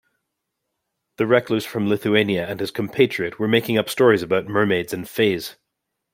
The recluse from Lithuania and his compatriot were making up stories about mermaids and fays.